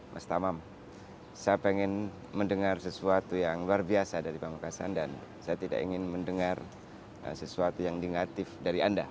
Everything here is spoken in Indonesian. mas tamam saya pengen mendengar sesuatu yang luar biasa dari pamekasan dan saya tidak ingin mendengar sesuatu yang negatif dari anda